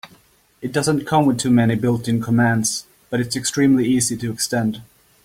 It doesn't come with too many built-in commands, but it's extremely easy to extend.